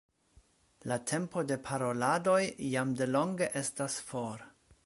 La tempo de paroladoj jam delonge estas for.